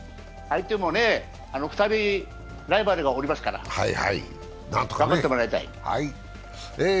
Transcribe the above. ２人ライバルがおりますから頑張ってもらいたい。